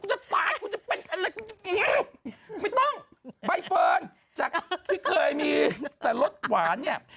จะตายกูจะเป็นอะไรไม่ต้องใบเฟิร์นจากที่เคยมีแต่รสหวานเนี่ย